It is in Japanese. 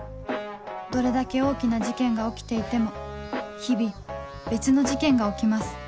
どれだけ大きな事件が起きていても日々別の事件が起きます